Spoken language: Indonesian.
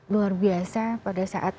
luar biasa pada saat